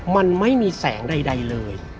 มันไม่มีแสงใดเลย